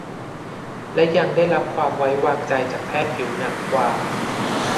และยังได้รับความไว้วางใจจากแพทย์ผิวหนังกว่า